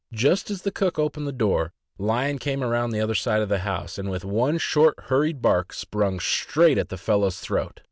Just as the cook opened the door, Lion came around the side of the house, and with one short, hurried bark sprung straight at the fellow's throat.